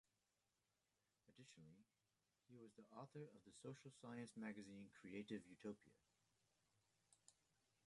Additionally, he was the author of the social science magazine “Creative utopia”.